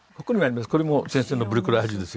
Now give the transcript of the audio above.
これも先生のブリコラージュですよ。